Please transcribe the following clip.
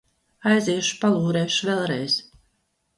Aiziešu, palūrēšu vēlreiz...